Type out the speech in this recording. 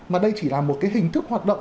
mà đây chỉ là một cái hình thức hoạt động